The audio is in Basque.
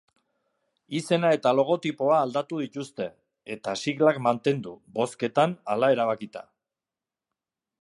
Izena eta logotipoa aldatu dituzte, eta siglak mantendu, bozketan hala erabakita.